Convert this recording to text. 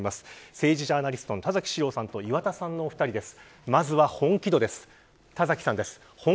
政治ジャーナリストの田崎史郎さんと岩田さんのお二人です。